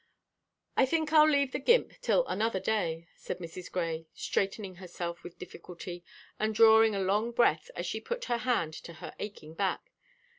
"I think I'll leave the gimp till another day," said Mrs. Grey, straightening herself with difficulty, and drawing a long breath as she put her hand to her aching back.